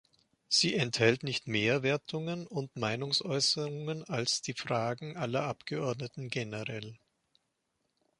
Sie enthält nicht mehr Wertungen und Meinungsäußerungen als die Fragen aller Abgeordneten generell.